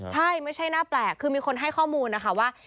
ใช่ไม่ใช่หน้าแปลกคือมีคนให้ข้อมูลนะคะว่า